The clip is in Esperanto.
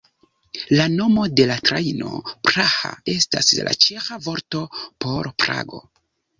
La nomo de la trajno, "Praha", estas la ĉeĥa vorto por Prago.